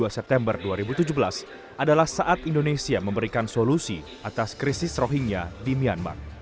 dua puluh dua september dua ribu tujuh belas adalah saat indonesia memberikan solusi atas krisis rohingya di myanmar